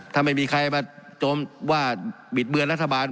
ถ้าไม่มีใครมาโจมว่าบิดเบือนรัฐบาล